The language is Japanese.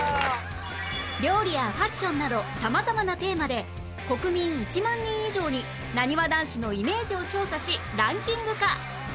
料理やファッションなど様々なテーマで国民１万人以上になにわ男子のイメージを調査しランキング化